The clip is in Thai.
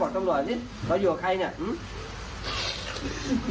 ผมไม่รู้พี่จะช่วยยังไง